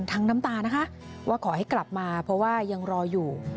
น้ำตานะคะว่าขอให้กลับมาเพราะว่ายังรออยู่